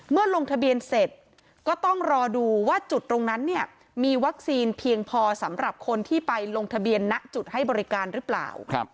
ลงทะเบียนเสร็จก็ต้องรอดูว่าจุดตรงนั้นเนี่ยมีวัคซีนเพียงพอสำหรับคนที่ไปลงทะเบียนณจุดให้บริการหรือเปล่า